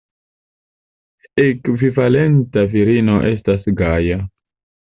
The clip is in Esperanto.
Ekvivalento virina estas Gaja.